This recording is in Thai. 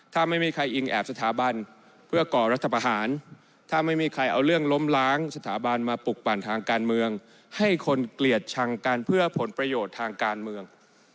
ถ้าไม่มีใครอิงแอบสถาบันเพื่อก่อรัฐประหารถ้าไม่มีใครเอาเรื่องล้มล้างสถาบันมาปลุกปั่นทางการเมืองให้คนเกลียดชังกันเพื่อผลประโยชน์ทางการเมือง